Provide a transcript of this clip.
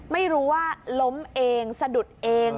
ไม่รู้ว่าล้มเองสะดุดเอง